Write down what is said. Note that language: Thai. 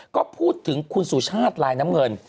ก็พูดถึงคุณสุชาติลายน้ำเงิน